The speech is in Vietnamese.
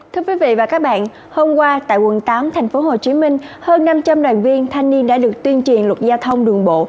thưa quý vị và các bạn hôm qua tại quận tám thành phố hồ chí minh hơn năm trăm linh đoàn viên thanh niên đã được tuyên truyền luật giao thông đường bộ